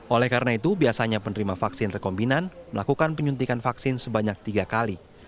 oleh karena itu biasanya penerima vaksin rekombinan melakukan penyuntikan vaksin sebanyak tiga kali